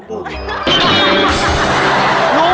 ลุงนอน